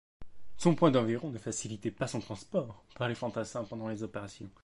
Son poids d'environ ne facilitait pas son transport par les fantassins pendant les opérations.